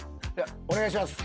お願いします。